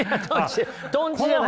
とんちじゃない！